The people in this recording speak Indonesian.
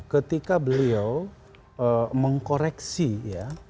ketika beliau mengkoreksi ya